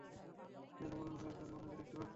যেন মনে হয় ওখানে উনাকে দেখতে পাচ্ছেন!